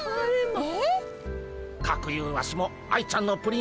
え。